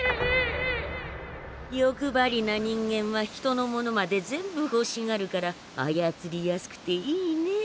欲張りな人間は人の物まで全部ほしがるからあやつりやすくていいねえ。